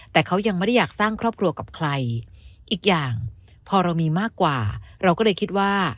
แต่เขายังไม่ได้อยากสร้างครอบครัวกับใครอีกอย่างพอเรามีมากกว่าเราก็เลยคิดว่า